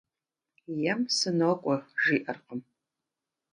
Ем «сынокӀуэ» жиӀэркъым.